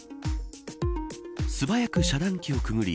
素早く遮断機をくぐり